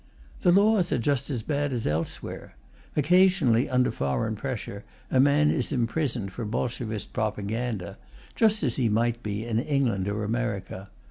The laws are just as bad as elsewhere; occasionally, under foreign pressure, a man is imprisoned for Bolshevist propaganda, just as he might be in England or America.